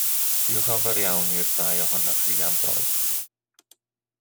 Diolch yn fawr iawn i'r ddau ohonoch chi am ddoe.